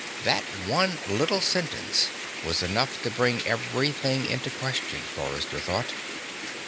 That one little sentence was enough to bring everything into question, Forrester thought.